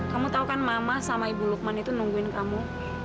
kamu tau kan mama sama ibu lukman itu nungguin kamu